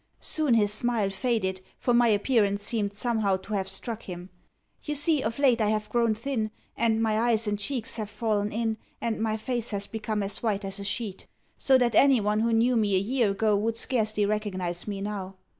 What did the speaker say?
Soon his smile faded, for my appearance seemed somehow to have struck him. You see, of late I have grown thin, and my eyes and cheeks have fallen in, and my face has become as white as a sheet; so that anyone who knew me a year ago would scarcely recognise me now.